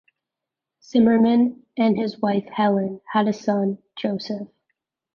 Zimmermann and his wife, Helen, had a son, Joseph.